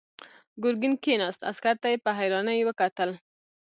ګرګين کېناست، عسکر ته يې په حيرانۍ وکتل.